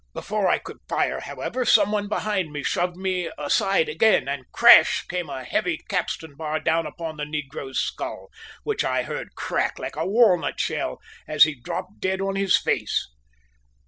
Before I could fire, however, some one behind me shoved me aside again, and crash came a heavy capstan bar down upon the negro's skull, which I heard crack like a walnut shell as he dropped dead on his face.